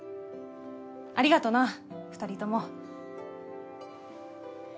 ありがとな二人とも。